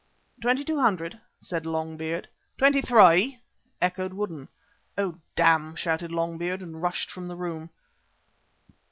"Twenty two hundred," said Long beard. "Twenty three," echoed Woodden. "Oh, damn!" shouted Long beard and rushed from the room.